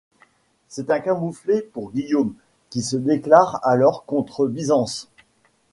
C'est un camouflet pour Guillaume, qui se déclare alors contre Byzance.